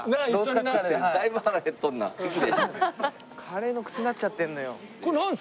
カレーの口になっちゃってるのよ。